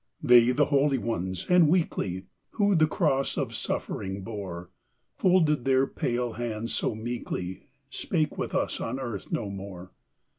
They, the holy ones and weakly, Who the cross of suffering bore, Folded their pale hands so meekly, Spake with us on earth no more!